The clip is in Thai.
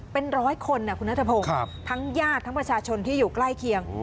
เป็นร้อยคนนะคุณนัทพงศ์ทั้งญาติทั้งประชาชนที่อยู่ใกล้เคียง